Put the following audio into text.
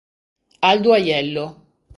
Aldo Ajello